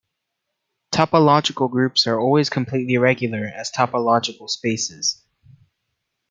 Topological groups are always completely regular as topological spaces.